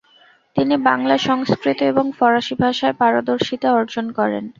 তিনি বাংলা, সংস্কৃত এবং ফরাসি ভাষায় পারদর্শিতা অর্জন করেন।